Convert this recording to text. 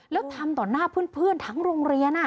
แล้วทำต่อหน้าเพื่อนทั้งโรงเรียน